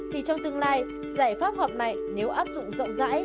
thì trong tương lai giải pháp họp này nếu áp dụng rộng rãi